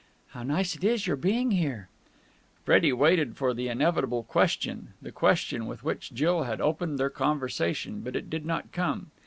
"How nice it is, your being here!" Freddie waited for the inevitable question, the question with which Jill had opened their conversation; but it did not come.